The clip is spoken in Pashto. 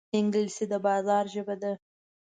انګلیسي د بازار ژبه ده